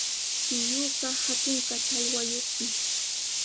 Tiyuuqa hatun kachallwayuqmi.